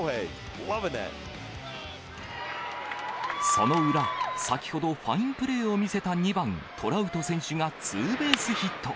その裏、先ほど、ファインプレーを見せた２番トラウト選手がツーベースヒット。